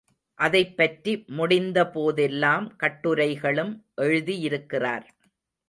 அதைப் பற்றி முடிந்த போதெல்லாம், கட்டுரைகளும் எழுதியிருக்கிறார்.